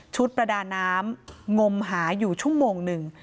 ประดาน้ำงมหาอยู่ชั่วโมงหนึ่ง